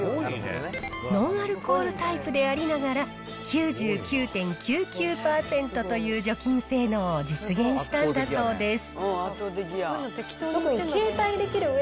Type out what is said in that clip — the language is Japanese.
ノンアルコールタイプでありながら、９９．９９％という除菌性能を実現したんだそうです。